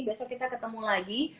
besok kita ketemu lagi